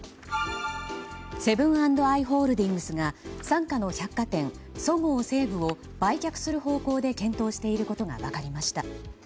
セブン＆アイ・ホールディングスが傘下の百貨店そごう・西武を売却する方向で検討していることが分かりました。